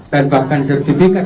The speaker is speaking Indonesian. dan bahkan sertifikat